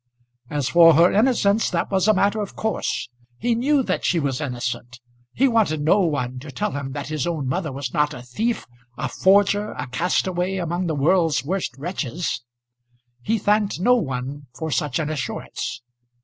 As for her innocence, that was a matter of course. He knew that she was innocent. He wanted no one to tell him that his own mother was not a thief, a forger, a castaway among the world's worst wretches. He thanked no one for such an assurance.